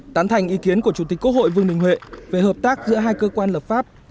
tán thành ý kiến của chủ tịch quốc hội vương đình huệ về hợp tác giữa hai cơ quan lập pháp